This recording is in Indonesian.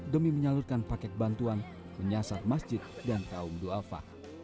demi menyalurkan paket bantuan menyasar masjid dan kaum do'afa